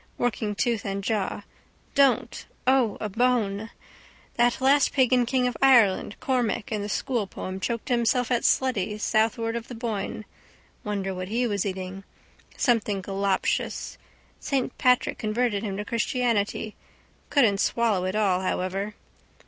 Working tooth and jaw. Don't! O! A bone! That last pagan king of Ireland Cormac in the schoolpoem choked himself at Sletty southward of the Boyne. Wonder what he was eating. Something galoptious. Saint Patrick converted him to Christianity. Couldn't swallow it all however.